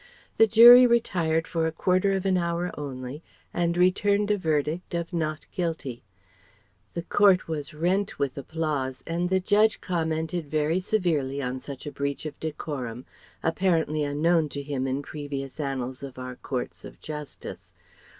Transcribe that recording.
The Jury retired for a quarter of an hour only, and returned a verdict of Not Guilty. The Court was rent with applause, and the Judge commented very severely on such a breach of decorum, apparently unknown to him in previous annals of our courts of justice.